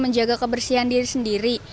menjaga kebersihan diri sendiri